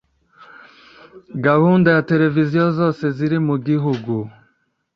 Gahunda ya televiziyo zose ziri mu gihugu